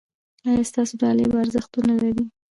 ایا ستاسو ډالۍ به ارزښت و نه لري؟